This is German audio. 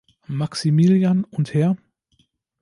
Maximilian und Hr.